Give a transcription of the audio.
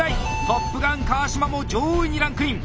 トップガン川島も上位にランクイン。